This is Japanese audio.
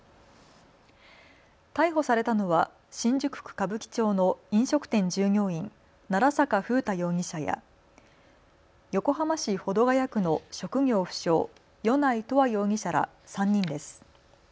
逮捕されたのは新宿区歌舞伎町の飲食店従業員、奈良坂楓太容疑者や横浜市保土ケ谷区の職業不詳、米内永遠容疑者ら３人です。